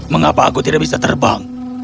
mengapa aku tidak bisa terbang